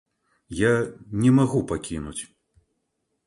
Я не магу пакінуць.